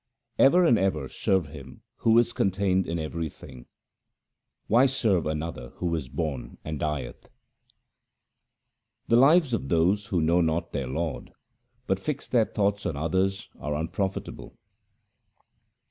Ever and ever serve Him who is contained in everything. Why serve another who is born and dieth ? The lives of those who know not their Lord but fix their thoughts on others, are unprofitable.